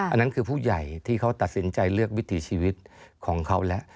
อันนั้นคือผู้ใหญ่ที่เขาตัดสินใจเลือกวิถีชีวิตของเขาแล้ว